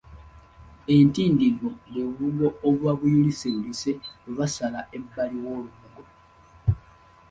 Entindiggo bwe bubugo obuba buyuliseyulise bwe basala ebbali w’olubugo.